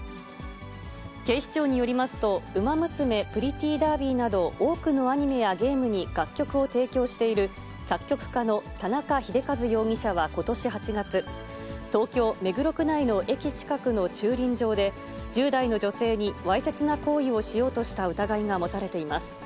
警視庁によりますと、ウマ娘プリティーダービーなど、多くのアニメやゲームに楽曲を提供している、作曲家の田中秀和容疑者はことし８月、東京・目黒区内の駅近くの駐輪場で、１０代の女性にわいせつな行為をしようとした疑いが持たれています。